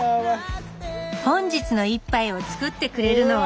本日の一杯を作ってくれるのは？